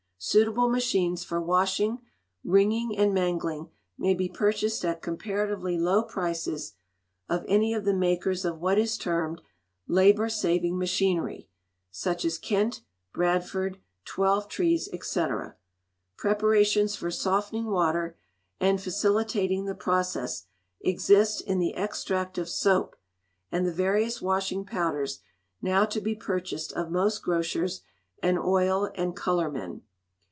Suitable machines for washing, wringing, and mangling may be purchased at comparatively low prices of any of the makers of what is termed "labour saving machinery," such as Kent, Bradford, Twelvetrees, &c. Preparations for softening water, and facilitating the process, exist in the Extract of Soap, and the various washing powders now to be purchased of most grocers and oil and colourmen.